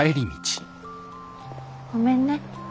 ごめんね。